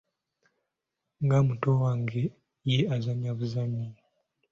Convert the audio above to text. Nga muto wange ye azannya buzannyi?